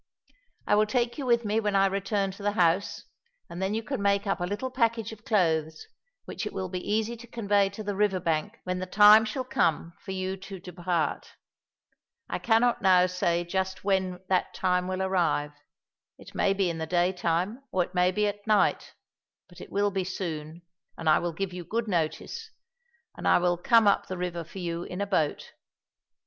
I will take you with me when I return to the house, and then you can make up a little package of clothes which it will be easy to convey to the river bank when the time shall come for you to depart. I cannot now say just when that time will arrive; it may be in the daytime or it may be at night, but it will be soon, and I will give you good notice, and I will come up the river for you in a boat.